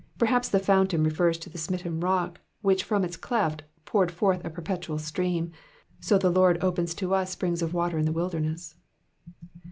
Perhaps the fountain refers to the smitten rock, which from its cleft poured forth a perpetual stream ; so the Lord opens to us springs of water in the wilderness.